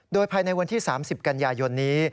โดยภายในวันที่๓๐กันยายนนี้